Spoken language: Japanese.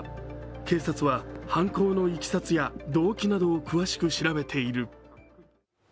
警察は犯行のいきさつや動機などを詳しく調べている。